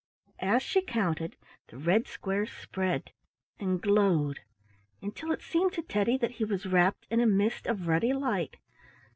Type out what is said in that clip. As she counted, the red square spread and glowed until it seemed to Teddy that he was wrapped in a mist of ruddy light.